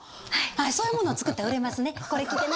そういうものを作ったら売れますね